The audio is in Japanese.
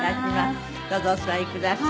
どうぞお座りください。